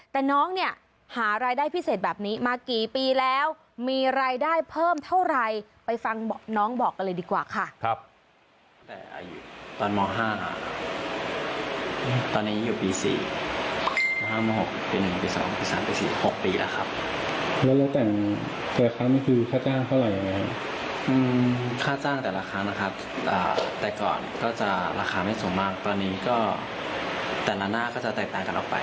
แต่น้องเนี่ยหารายได้พิเศษแบบนี้มากี่ปีแล้วมีรายได้เพิ่มเท่าไรไปฟังน้องบอกกันเลยดีกว่าค่ะ